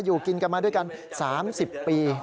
อยู่กินกันมาด้วยกัน๓๐ปี